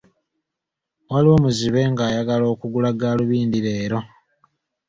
Waliwo muzibe ng'ayagala okugula gaalubindi leero.